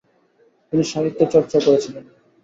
তিনি সাহিত্য চর্চাও করেছিলেন।